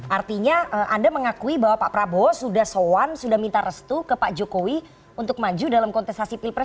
artinya anda mengakui bahwa pak prabowo sudah soan sudah minta restu ke pak jokowi untuk maju dalam kontestasi pilpres dua ribu sembilan